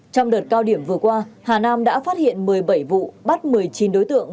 trong đợt cao điểm vừa qua hà nam đã phát hiện một mươi bảy vụ bắt một mươi chín đối tượng